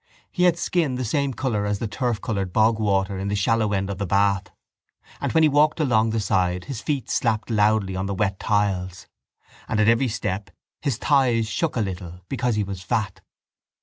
He had skin the same colour as the turfcoloured bogwater in the shallow end of the bath and when he walked along the side his feet slapped loudly on the wet tiles and at every step his thighs shook a little because he was fat.